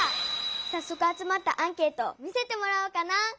さっそく集まったアンケートを見せてもらおうかな。